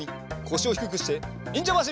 こしをひくくしてにんじゃばしり。